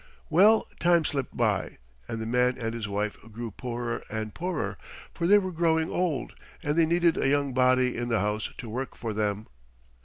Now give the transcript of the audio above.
Well, time slipped by, and the man and his wife grew poorer and poorer, for they were growing old, and they needed a young body in the house to work for them.